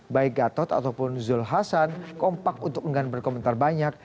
baik gatot ataupun zulkifli hasan kompak untuk enggan berkomentar banyak